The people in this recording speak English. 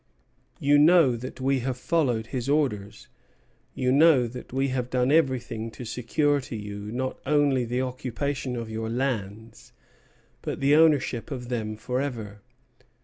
You know that we have followed his orders. You know that we have done everything to secure to you not only the occupation of your lands, but the ownership of them forever.